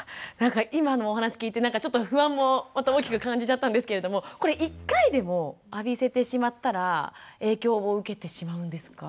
今のお話聞いてなんかちょっと不安もまた大きく感じちゃったんですけれどもこれ１回でも浴びせてしまったら影響を受けてしまうんですか？